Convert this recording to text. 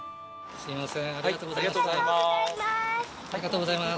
すみません、ありがとうござありがとうございます。